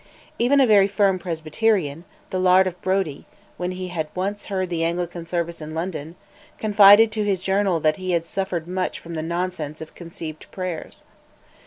Even a very firm Presbyterian, the Laird of Brodie, when he had once heard the Anglican service in London, confided to his journal that he had suffered much from the nonsense of "conceived prayers."